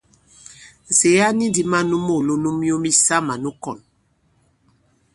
Nsège a ni ndī man nu moòlom nu myu misamà nu kɔ̀n.